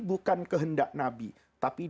bukan kehendak nabi tapi